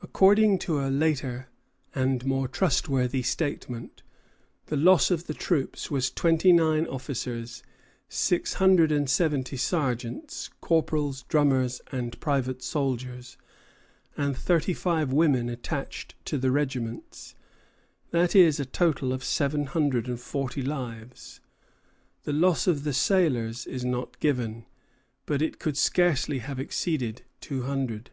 According to a later and more trustworthy statement, the loss of the troops was twenty nine officers, six hundred and seventy six sergeants, corporals, drummers, and private soldiers, and thirty five women attached to the regiments; that is, a total of seven hundred and forty lives. The loss of the sailors is not given; but it could scarcely have exceeded two hundred.